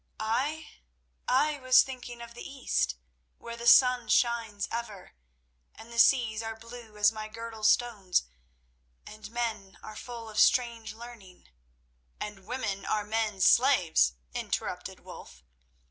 "I? I was thinking of the East, where the sun shines ever and the seas are blue as my girdle stones, and men are full of strange learning—" "And women are men's slaves!" interrupted Wulf.